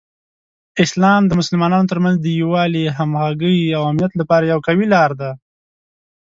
اسلام د مسلمانانو ترمنځ د یووالي، همغږۍ، او امنیت لپاره یوه قوي لاره ده.